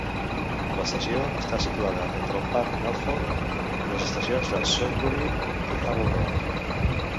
L'estació està situada entre el Parc Northolt i les estacions de Sudbury i Harrow Road.